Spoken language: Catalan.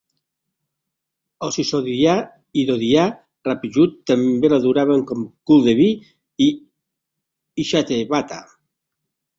Els Sisodiya i Dodiya Rajput també l'adoraven com Kuldevi i Ishtadevata.